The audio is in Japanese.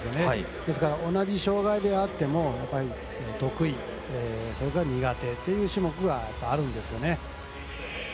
ですから、同じ障がいであっても得意、苦手という種目があるんですね。